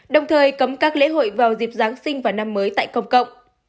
đồng thời cấm các lễ hội vào dịp giáng sinh và năm mới tại công cộng